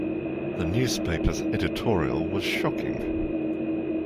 The newspaper's editorial was shocking.